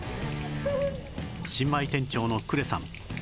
新米店長の呉さん